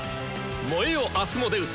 燃えよアスモデウス！